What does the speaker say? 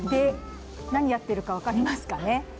何やってるか分かりますかね。